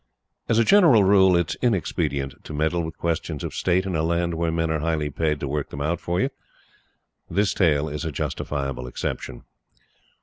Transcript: As a general rule, it is inexpedient to meddle with questions of State in a land where men are highly paid to work them out for you. This tale is a justifiable exception.